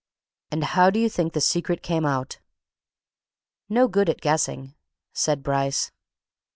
And how do you think the secret came out?" "No good at guessing," said Bryce.